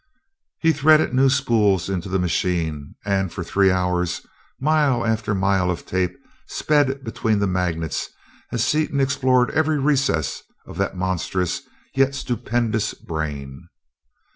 He threaded new spools into the machine, and for three hours, mile after mile of tape sped between the magnets as Seaton explored every recess of that monstrous, yet stupendous brain.